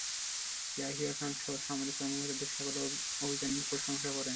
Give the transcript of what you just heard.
’ ইয়াহিয়া খানসহ সামরিক কর্মকর্তাদের সকলে অভিযানের প্রশংসা করেন।